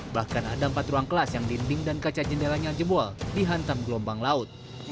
bahkan ada empat ruang kelas yang dinding dan kaca jendelanya jebol dihantam gelombang laut